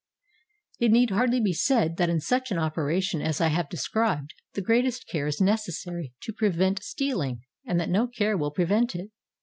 It need hardly be said that in such an operation as I have described the greatest care is necessary to prevent stealing, and that no care will prevent it.